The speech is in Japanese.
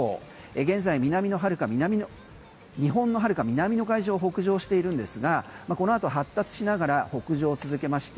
現在日本のはるか南の海上を北上しているんですがこのあと発達しながら北上を続けまして